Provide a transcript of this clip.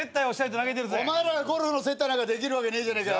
お前らがゴルフの接待なんかできるわけねえじゃねえか。